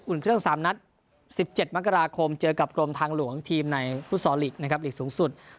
เครื่อง๓นัด๑๗มกราคมเจอกับกรมทางหลวงทีมในฟุตซอลลีกนะครับหลีกสูงสุด